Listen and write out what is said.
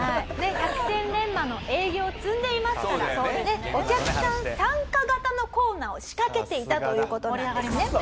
百戦錬磨の営業を積んでいますからお客さん参加型のコーナーを仕掛けていたという事なんですね。